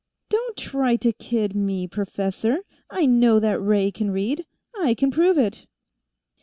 "Don't try to kid me, professor. I know that Ray can read. I can prove it."